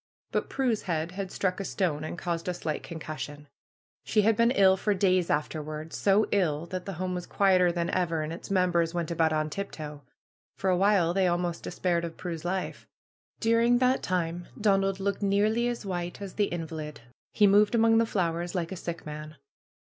But Prue's head had struck a stone and caused a slight con cussion. She had been ill for days afterward. So ill that the home was quieter than ever, and its members went about on tip toe. For a while they almost de spaired of Prue's life. During that time Donald looked nearly as white as the invalid. He moved among the flowers like a sick man.